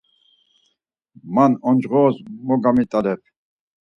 Man oncğores mo gemit̆alep.